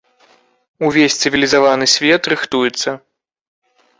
Увесь цывілізаваны свет рыхтуецца.